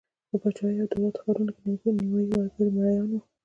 په پاچاهیو او دولت ښارونو کې نیمايي وګړي مریان وو.